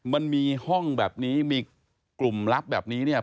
มันมีห้องแบบนี้มีกลุ่มลับแบบนี้เนี่ย